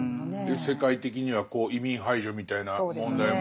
世界的には移民排除みたいな問題もありますしね。